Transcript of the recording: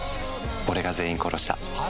俺が全員殺した。